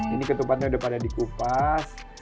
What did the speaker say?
ini ketupatnya udah pada dikupas